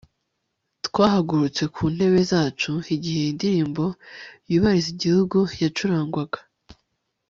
twahagurutse ku ntebe zacu igihe indirimbo yubahiriza igihugu yacurangwaga